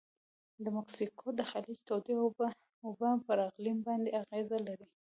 د مکسیکو د خلیج تودې اوبه پر اقلیم باندې اغیزه لري.